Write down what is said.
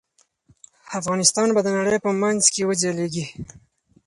افغانستان به د نړۍ په منځ کې وځليږي.